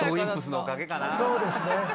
そうですね。